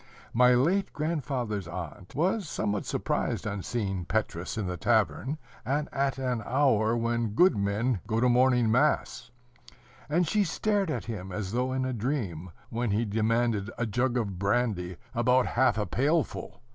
My late grandfather's aunt was somewhat surprised on seeing Petrus in the tavern, and at an hour when good men go to morning mass; and she stared at him as though in a dream, when he demanded a jug of brandy, about half a pailful.